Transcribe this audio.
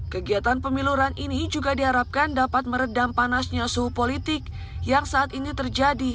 kegiatan pemiluran ini juga diharapkan dapat meredam panasnya suhu politik yang saat ini terjadi